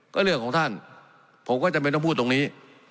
ก็เรื่องของท่านผมก็จำเป็นต้องพูดตรงนี้